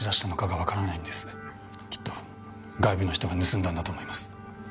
きっと外部の人が盗んだんだと思います。